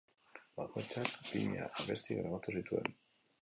Bakoitzak bina abesti grabatu zituen.